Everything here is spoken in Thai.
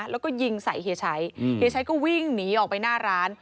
แล้วก็ยิงใส่เฮียชัยเฮียชัยก็วิ่งหนีออกไปหน้าร้าน